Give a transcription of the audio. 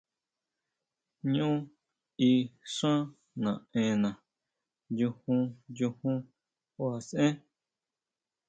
Ñú í xán naʼena, nyujún, nyujún kuaʼsʼen.